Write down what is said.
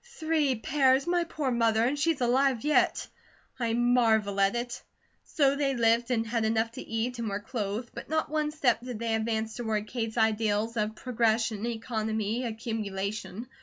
Three pairs! My poor mother! And she's alive yet! I marvel at it." So they lived, and had enough to eat, and were clothed, but not one step did they advance toward Kate's ideals of progression, economy, accumulation.